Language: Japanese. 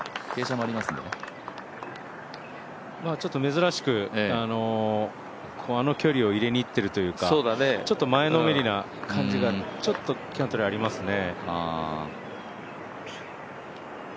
珍しくあの距離を入れにいっているというか、ちょっと前のめりな感じがちょっとキャントレーありますね。